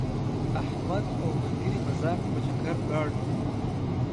احمد او ملګري مزار ته په چکر ولاړل.